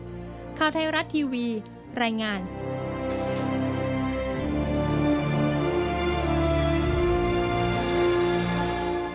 ข่าวไทยรัฐทีวีรายงาน